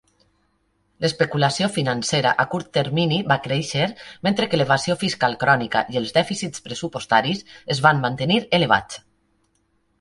L'especulació financera a curt termini va créixer, mentre que l'evasió fiscal crònica i els dèficits pressupostaris es van mantenir elevats.